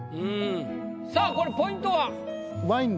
さあこれポイントは？